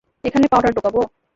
এখানে পাউডার ঢোকাবে।